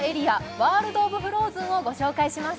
ワールド・オブ・フローズンをご紹介します。